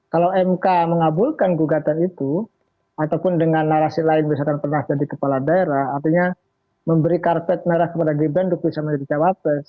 kalau mk mengabulkan gugatan itu ataupun dengan narasi lain misalkan pernah jadi kepala daerah artinya memberi karpet merah kepada gibran untuk bisa menjadi cawapres